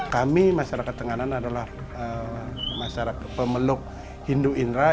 kami masyarakat tenganan adalah masyarakat pemeluk hindu indra